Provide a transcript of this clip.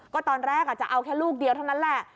ก็ตอนแรกจะเอาแค่ลูกเดียวเท่านั้นแหละ